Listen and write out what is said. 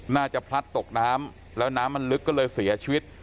พลัดตกน้ำแล้วน้ำมันลึกก็เลยเสียชีวิต